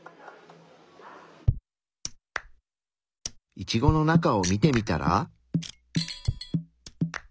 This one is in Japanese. イチゴの中を見てみたら。